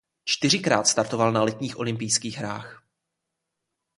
Čtyřikrát startoval na letních olympijských hrách.